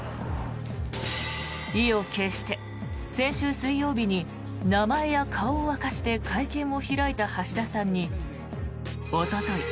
意を決して先週水曜日に名前や顔を明かして会見を開いた橋田さんにおととい